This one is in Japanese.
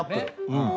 うん。